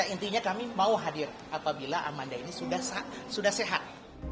intinya kami mau hadir apabila amanda ini sudah sehat